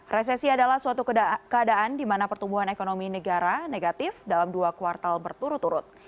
resesi adalah suatu keadaan di mana pertumbuhan ekonomi negara negatif dalam dua kuartal berturut turut